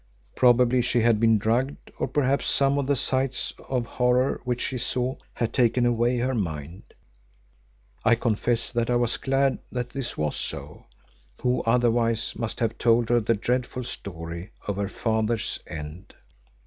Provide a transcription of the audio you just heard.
Probably she had been drugged, or perhaps some of the sights of horror which she saw, had taken away her mind. I confess that I was glad that this was so, who otherwise must have told her the dreadful story of her father's end.